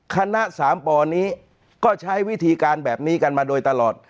คณะสามปนี้ก็ใช้วิธีการแบบนี้กันมาโดยตลอด